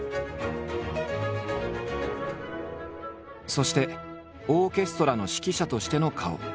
そしてオーケストラの指揮者としての顔。